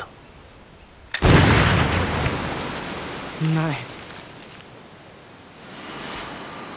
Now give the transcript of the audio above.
ない。